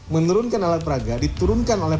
menurunkan alat peraga diturunkan oleh